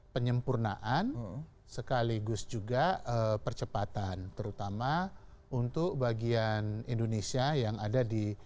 penyempurnaan sekaligus juga percepatan terutama untuk bagian indonesia yang ada di